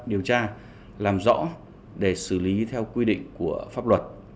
điều tra làm rõ để xử lý theo quy định của pháp luật